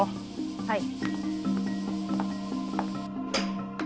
はい。